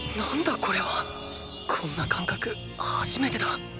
これは⁉こんな感覚初めてだ！